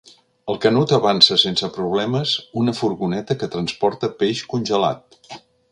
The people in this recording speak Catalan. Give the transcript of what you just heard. El Canut avança sense problemes una furgoneta que transporta peix congelat.